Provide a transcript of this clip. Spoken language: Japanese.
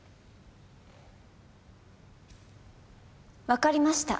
わかりました。